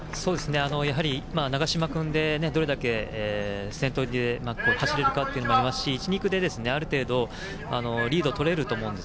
やはり長嶋君でどれだけ先頭で走れるかというのもありますし１、２区である程度リードを取れると思います。